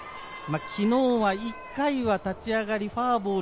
昨日は１回は立ち上がりフォアボール